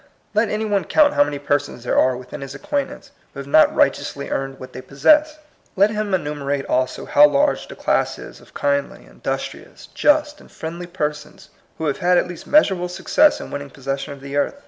Let any one count how many persons there are within his acquaint ance who have not righteously earned what they possess. Let him enumerate also how large the class is of kindly, in dustrious, just, and friendly persons who have had at least measurable success in winning possession of the earth.